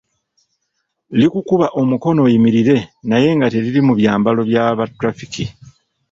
Likukuba omukono oyimirire naye nga teriri mu byambalo bya ba traffic.